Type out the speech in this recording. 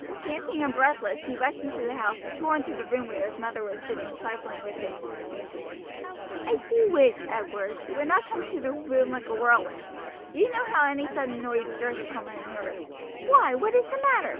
Panting and breathless he rushed into the house, and tore into the room where his mother was sitting trifling with a piece of fancy work. "I do wish, Edward, you would not come into the room like a whirlwind. You know how any sudden noise jars upon my nerves. Why, what is the matter?"